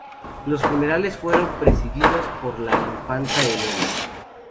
Los funerales fueron presididos por la infanta Elena.